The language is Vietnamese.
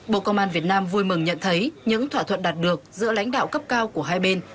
bộ công an việt nam vui mừng nhận thấy những thỏa thuận đạt được giữa lãnh đạo cấp cao của hai bên